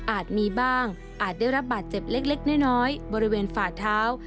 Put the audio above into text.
มีบ้างอาจได้รับบาดเจ็บเล็กน้อยบริเวณฝ่าเท้า